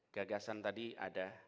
gagasan tadi ada